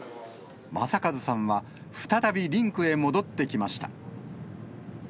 正和さんは再びリンクへ戻ってきました。